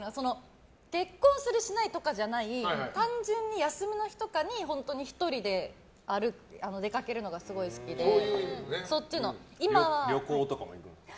結婚するしないとかじゃない単純に休みの日とかに１人で出かけるのが旅行とかも行くんですか？